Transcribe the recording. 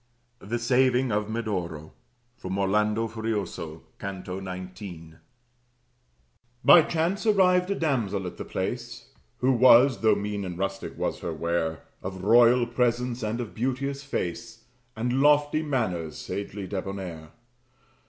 THE SAVING OF MEDORO From 'Orlando Furioso,' Canto 19 By chance arrived a damsel at the place, Who was (though mean and rustic was her wear) Of royal presence and of beauteous face, And lofty manners, sagely debonnair.